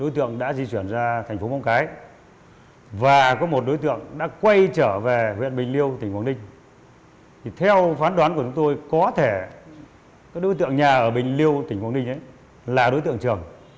tỉnh quảng ninh là đối tượng trường